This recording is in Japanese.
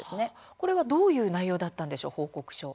これはどういう内容だったんでしょうか。